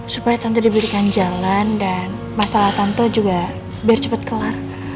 supaya tanpa diberikan jalan dan masalah tante juga biar cepat kelar